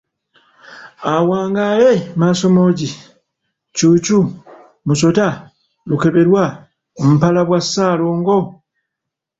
Awangaale Maasomoogi, Ccuucu, Musota, Lukeberwa, Mpalabwa, Ssaabalongo.